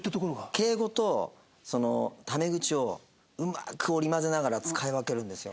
敬語とタメ口をうまく織り交ぜながら使い分けるんですよ。